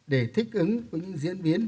để thích ứng những diễn biến